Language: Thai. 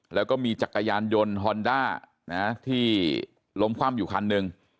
แล้วก็มีจักรยานยนต์ฮอนด้านะที่ล้มคว่ำอยู่คันหนึ่ง